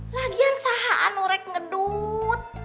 lagian saatnya norek ngedut